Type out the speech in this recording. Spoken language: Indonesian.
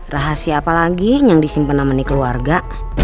rahasia apalagi yang disimpen amani keluarga